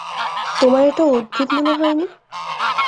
তোমার এটা অদ্ভুত মনে হয়নি?